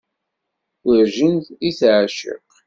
Werǧin i teεciq.